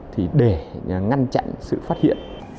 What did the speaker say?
thì để ngăn chặn sự phát hiện